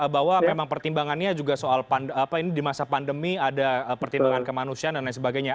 bahwa memang pertimbangannya juga soal ini di masa pandemi ada pertimbangan kemanusiaan dan lain sebagainya